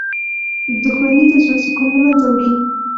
• دښمني د زړه سکون له منځه وړي.